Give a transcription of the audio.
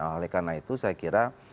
oleh karena itu saya kira